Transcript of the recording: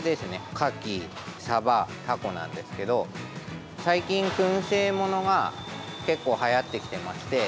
かき、さば、タコなんですけど最近、くん製ものが結構はやってきてまして。